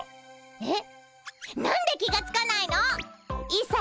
えっ。